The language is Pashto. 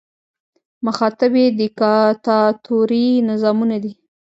مخاطب یې دیکتاتوري نظامونه دي.